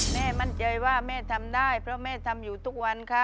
แม่มั่นใจว่าแม่ทำได้เพราะแม่ทำอยู่ทุกวันค่ะ